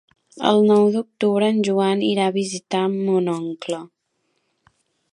El nou d'octubre en Joan irà a visitar mon oncle.